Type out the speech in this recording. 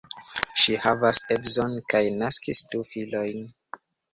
Ŝi havas edzon kaj naskis du filojn.